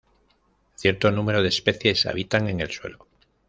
Cierto número de especies habitan en el suelo.